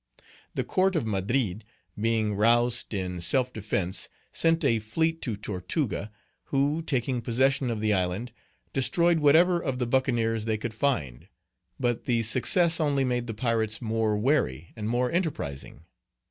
The court of Madrid, being roused in self defence, sent a fleet to Tortuga, who, taking possession of the island, destroyed whatever of the buccaneers they could find; but the success only made the pirates more wary and more enterprising.